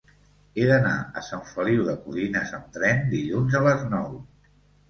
He d'anar a Sant Feliu de Codines amb tren dilluns a les nou.